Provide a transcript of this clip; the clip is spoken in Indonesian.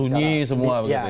sunyi semua begitu ya